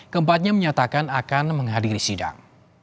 keempatnya menyatakan akan menghadiri sidang